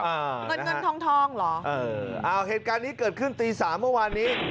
เงินเงินทองทองเหรอเออเอาเหตุการณ์นี้เกิดขึ้นตีสามเมื่อวานนี้